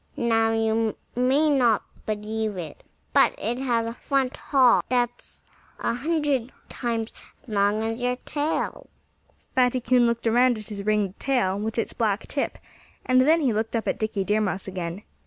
Now, you may not believe it, but it has a front hall that's a hundred times as long as your tail." Fatty Coon looked around at his ringed tail, with its black tip; and then he looked up at Dickie Deer Mouse again.